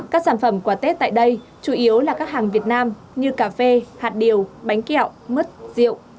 các sản phẩm quà tết tại đây chủ yếu là các hàng việt nam như cà phê hạt điều bánh kẹo mứt rượu